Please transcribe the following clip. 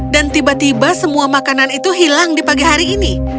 dan tiba tiba semua makanan itu hilang di pagi hari ini